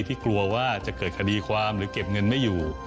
กลัวว่าจะเกิดคดีความหรือเก็บเงินไม่อยู่